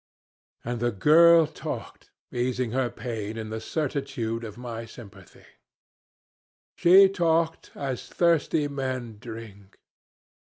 And the girl talked, easing her pain in the certitude of my sympathy; she talked as thirsty men drink.